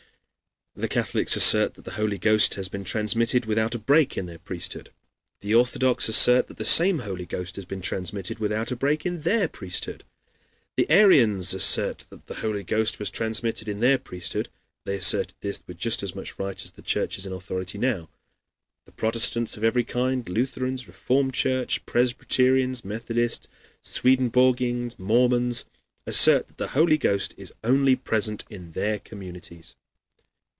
The Catholics assert that the Holy Ghost has been transmitted without a break in their priesthood. The Orthodox assert that the same Holy Ghost has been transmitted without a break in their priesthood. The Arians asserted that the Holy Ghost was transmitted in their priesthood (they asserted this with just as much right as the churches in authority now). The Protestants of every kind Lutherans, Reformed Church, Presbyterians, Methodists, Swedenborgians, Mormons assert that the Holy Ghost is only present in their communities.